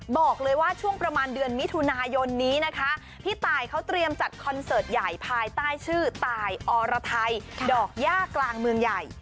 บอกเลยว่าช่วงประมาณเดือนมิถุนายนนี้นะคะพี่ตายเขาเตรียมจัดคอนเสิร์ตใหญ่ภายใต้ชื่อตายอรไทยดอกย่ากลางเมืองใหญ่